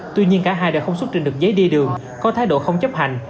tuy nhiên cả hai đã không xuất trình được giấy đi đường có thái độ không chấp hành